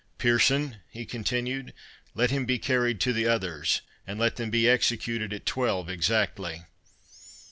—Pearson," he continued, "let him be carried to the others; and let them be executed at twelve exactly."